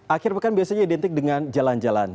akhir pekan biasanya identik dengan jalan jalan